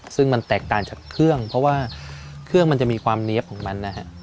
ซึ่งมันแตกต่างจากเครื่องเพราะว่าเครื่องมันจะมีความเนี๊ยบของมันนะฮะ